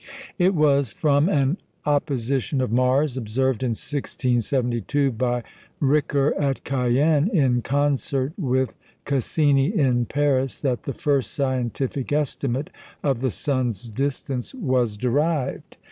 It was from an opposition of Mars, observed in 1672 by Richer at Cayenne in concert with Cassini in Paris, that the first scientific estimate of the sun's distance was derived.